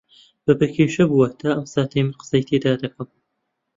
بەبێ کێشە بووە تا ئەم ساتەی من قسەی تێدا دەکەم